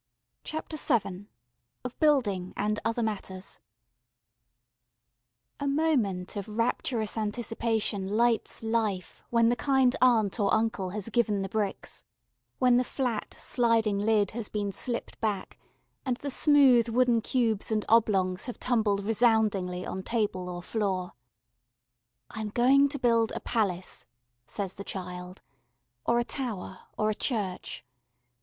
CHAPTER VII Of Building and Other Matters A MOMENT of rapturous anticipation lights life when the kind aunt or uncle has given the bricks, when the flat, sliding lid has been slipped back, and the smooth wooden cubes and oblongs have tumbled resoundingly on table or floor. "I am going to build a palace," says the child. Or a tower or a church.